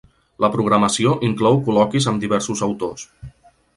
La programació inclou col·loquis amb diversos autors.